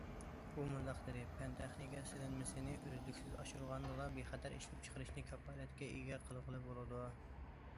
ئۇ مۇنداق دېدى: پەن- تېخنىكا سېلىنمىسىنى ئۈزلۈكسىز ئاشۇرغاندىلا، بىخەتەر ئىشلەپچىقىرىشنى كاپالەتكە ئىگە قىلغىلى بولىدۇ.